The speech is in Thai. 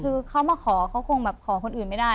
คือเค้ามาขอเค้าคงขอคนอื่นไม่ได้